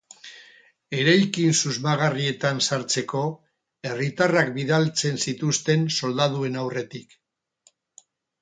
Eraikin susmagarrietan sartzeko, herritarrak bidaltzen zituzten soldaduen aurretik.